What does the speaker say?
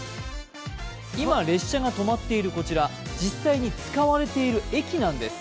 今、列車が止まっているこちら、実際に使われている駅なんです。